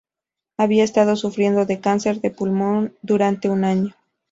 Había estado sufriendo de cáncer de pulmón durante un año.